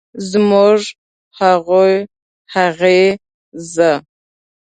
زموږ، هغوی ، هغې ،زه